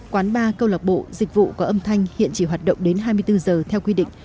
quán ba câu lạc bộ dịch vụ có âm thanh hiện chỉ hoạt động đến hai mươi bốn giờ theo quy định